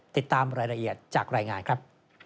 ติดตามรายละเอียดจากรายงานครับ